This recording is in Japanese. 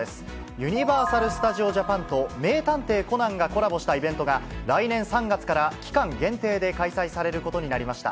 ユニバーサル・スタジオ・ジャパンと名探偵コナンがコラボしたイベントが、来年３月から期間限定で開催されることになりました。